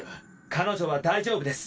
彼女は大丈夫です。